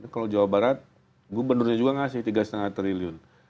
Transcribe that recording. kalau jawa barat gubernurnya juga ngasih tiga lima triliun